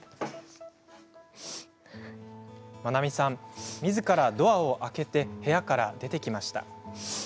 まなみさんみずからドアを開けて部屋から出てきました。